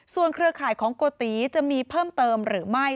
เครือข่ายของโกติจะมีเพิ่มเติมหรือไม่